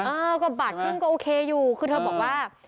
เออก็บัตรซึ่งก็โอเคอยู่คือเธอบอกว่า